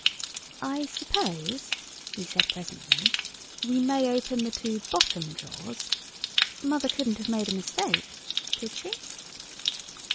"I suppose," he said presently, "we may open the two bottom drawers? Mother couldn't have made a mistake—could she?"